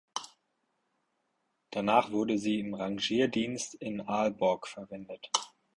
Danach wurde sie im Rangierdienst in Aalborg verwendet.